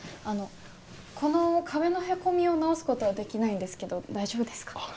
あのこの壁のへこみを直すことはできないんですけど大丈夫ですか？